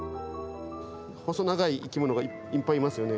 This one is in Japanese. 細長い生き物がいっぱいいますよね。